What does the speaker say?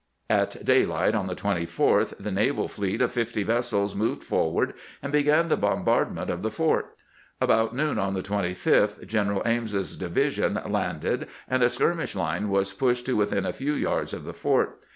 At daylight on the 24th the naval fleet of fifty vessels moved forward and began the bombardment of the fort. About noon on the 25th Greneral Ames's division landed, and a skirmish line was pushed to within a few yards of the fort.